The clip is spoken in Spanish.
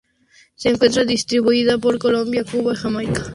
Se encuentra distribuida por Colombia, Cuba y Jamaica.